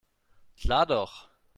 Klar doch.